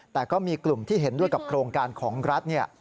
แต่ก็มีกลุ่มที่เห็นด้วยกับโครงการของรัฐเนี่ย